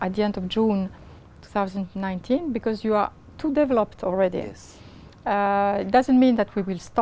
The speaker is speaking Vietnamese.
việt nam và điều đó